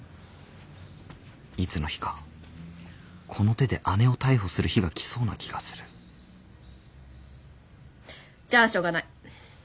いつの日かこの手で姉を逮捕する日が来そうな気がするじゃあしょうがない。